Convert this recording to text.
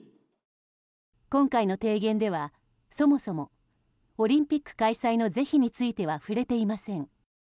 今回の提言では、そもそもオリンピック開催の是非については触れていません。